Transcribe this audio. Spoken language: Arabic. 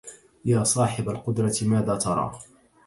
يا صاحب القدرة ماذا ترى